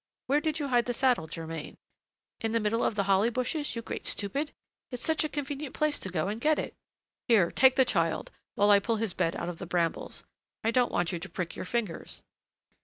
Where did you hide the saddle, Germain? In the middle of the holly bushes, you great stupid! It's such a convenient place to go and get it!" "Here, take the child, while I pull his bed out of the brambles; I don't want you to prick your fingers."